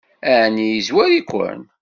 Ɛni yezwar-iken?